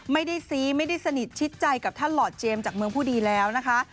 ซีไม่ได้สนิทชิดใจกับท่านหลอดเจมส์จากเมืองผู้ดีแล้วนะคะ